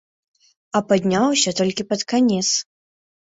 А падняўся толькі пад канец.